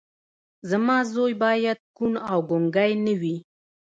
زما زوی باید کوڼ او ګونګی نه وي